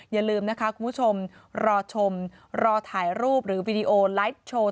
อย่าลืมนะคะคุณผู้ชมรอชมรอถ่ายรูปหรือวิดีโอไลฟ์โชว์